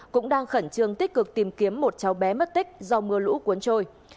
cũng đang khẩn trương tích cực tìm kiếm một cháu bé mất tích do mưa lũ cuốn trôi